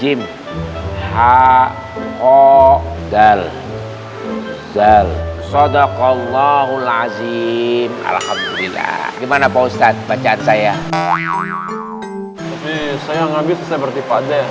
jim ha o dal dal sodakallahulazim alhamdulillah gimana pak ustadz bacaan saya